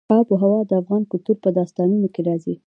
آب وهوا د افغان کلتور په داستانونو کې راځي.